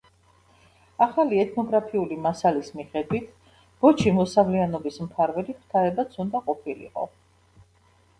ახალი ეთნოგრაფიული მასალის მიხედვით, ბოჩი მოსავლიანობის მფარველი ღვთაებაც უნდა ყოფილიყო.